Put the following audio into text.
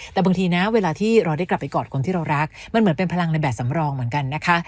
แต่บางทีนะเวลาที่เราได้กลับไปกอดคนที่เรารักมันเหมือนเป็นพลังในแบบสำรองเหมือนกันนะคะ